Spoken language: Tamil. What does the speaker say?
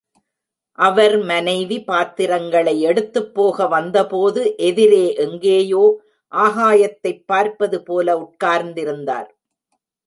அவர் மனைவி, பாத்திரங்களை எடுத்துப்போக வந்தபோது எதிரே எங்கேயோ ஆகாயத்தைப் பார்ப்பது போல உட்காந்திருந்தார்.